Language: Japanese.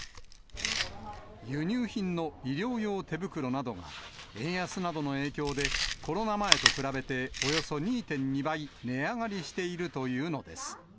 輸入品の医療用手袋などが、円安などの影響で、コロナ前と比べておよそ２．２倍値上がりしているというのです。